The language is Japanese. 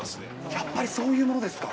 やっぱりそういうものですか。